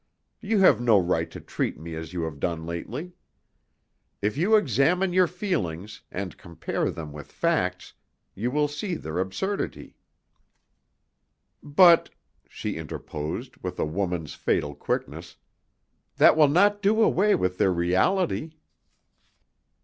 You have no right to treat me as you have done lately. If you examine your feelings, and compare them with facts, you will see their absurdity." "But," she interposed, with a woman's fatal quickness, "that will not do away with their reality."